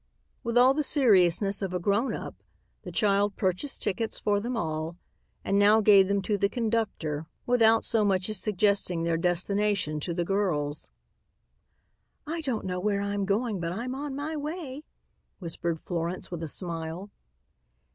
With all the seriousness of a grown up, the child purchased tickets for them all, and now gave them to the conductor without so much as suggesting their destination to the girls. "I don't know where I'm going but I'm on my way," whispered Florence with a smile.